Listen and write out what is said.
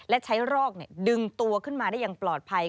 และใช้รอกดึงตัวขึ้นมาได้อย่างปลอดภัย